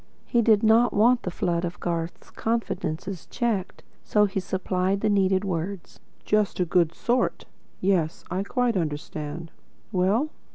He did not want the flood of Garth's confidences checked, so he supplied the needed words. "Just a good sort. Yes, I quite understand. Well?"